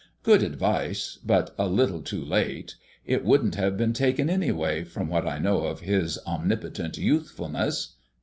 Good advice but a little too late. It wouldn't have been taken, anyway, from what I know of His Omnipotent Youthfulness.